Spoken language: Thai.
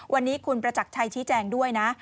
วันนี้คุณประจักรชัยชี้แจงด้วยนะ